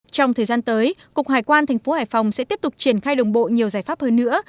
trong thời gian tới cục hải quan thành phố hải phòng sẽ tiếp tục triển khai đồng bộ nhiều giải pháp hơn nữa